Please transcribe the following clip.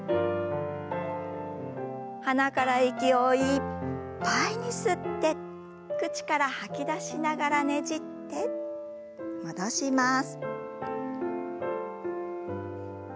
鼻から息をいっぱいに吸って口から吐き出しながらねじって戻します。